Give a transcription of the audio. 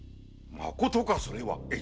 まことかそれは？